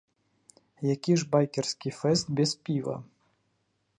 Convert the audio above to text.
Які ж байкерскі фэст без піва?!